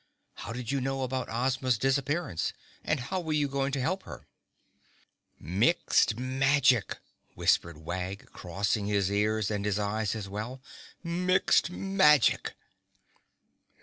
How did you know about Ozma's disappearance and how were you going to help her?" "Mixed Magic!" whispered Wag, crossing his ears and his eyes as well. "Mixed Magic!"